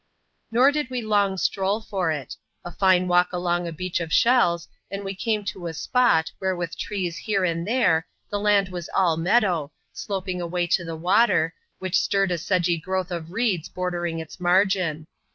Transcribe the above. Nor did we long stroll for it. A fine walk along a beach of Bhells, and we came to a spot, where with trees here and there, the land was all meadow, sloping away to the water, which stirred a sedgy growth of reeds bordering its margin.